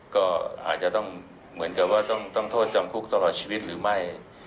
ก็อาจจะได้ต้องแบบว่าต้องโทษจำคุกตลอดชีวิตหรือไม่